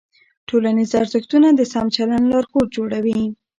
ټولنیز ارزښتونه د سم چلند لارښود جوړوي.